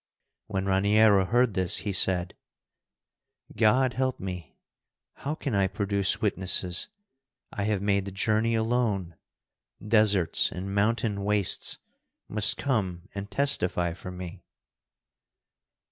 When Raniero heard this he said: "God help me! how can I produce witnesses? I have made the journey alone. Deserts and mountain wastes must come and testify for me."